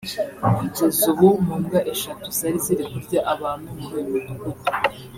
Kugeza ubu mu mbwa eshatu zari ziri kurya abantu muri uyu mudugudu